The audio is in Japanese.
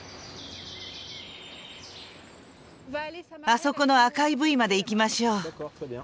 あそこの赤いブイまで行きましょう。